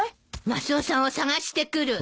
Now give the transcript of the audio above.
マスオさんを捜してくる。